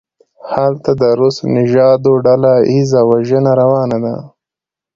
هلته د روس نژادو ډله ایزه وژنه روانه ده.